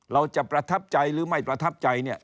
เราจะประทับใจหรือไม่ประทับใจเนี่ย